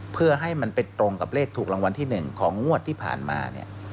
เพื่อให้มันไปตรงกับเลขถูกรางวัลที่๑ของงวดที่ผ่านมาเนี่ย